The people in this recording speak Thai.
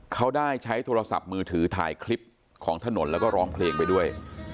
เขาได้ใช้โทรศัพท์มือถือถ่ายคลิปของถนนแล้วก็ร้องเพลงไปด้วย